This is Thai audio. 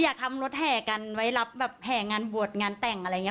อยากทำรถแห่กันไว้รับแบบแห่งานบวชงานแต่งอะไรอย่างนี้